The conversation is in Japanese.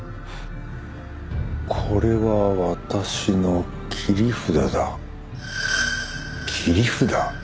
「これは私の切り札だ」切り札？